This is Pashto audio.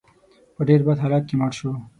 په ډېر بد حالت کې مړ شو.